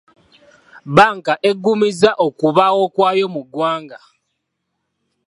Bbanka eggumizza okubaawo kwayo mu ggwanga.